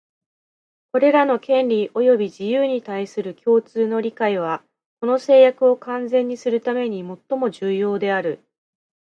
これらの権利及び自由に対する共通の理解は、この誓約を完全にするためにもっとも重要である